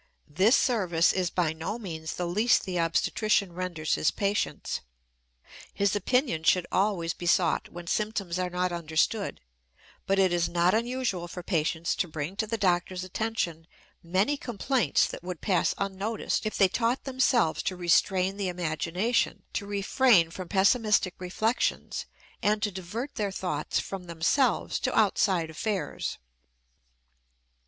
This service is by no means the least the obstetrician renders his patients. His opinion should always be sought when symptoms are not understood; but it is not unusual for patients to bring to the doctor's attention many complaints that would pass unnoticed if they taught themselves to restrain the imagination, to refrain from pessimistic reflections, and to divert their thoughts from themselves to outside affairs.